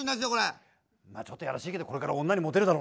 まあちょっとやらしいけどこれから女にモテるだろうね。